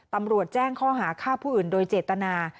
ตำรวจแจ้งข้อหาฆ่าผู้อื่นโดยเจตนา